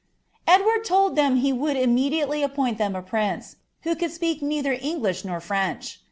* Edward told them he would immediately appoint them a prince, who eould speak neither English nor French.